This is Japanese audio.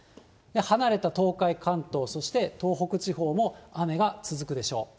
離れた東海、関東、そして東北地方も雨が続くでしょう。